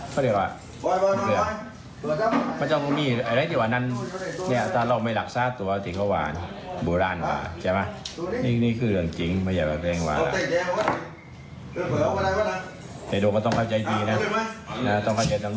แฟนทองที่เดี๋ยวละแปดอ่ะแปดเดือนแปดเดือนเจ้ายังยิ้งให้ใช่หรอกยิ้ง